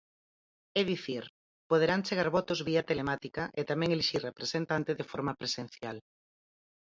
É dicir, poderán chegar votos vía telemática e tamén elixir representante de forma presencial.